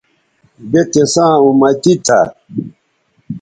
بے تِساں اُمتی تھا